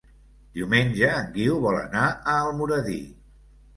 Diumenge en Guiu vol anar a Almoradí.